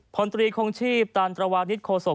ผลตรีคงชีพตามตระวังนิสโคสก